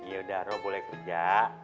ya udah roh boleh kerja